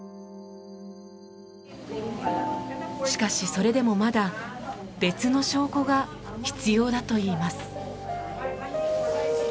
しかしそれでもまだ別の証拠が必要だといいます。